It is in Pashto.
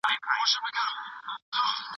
د پسونو د غاړو زنګونه په دښته کې کړنګېدل.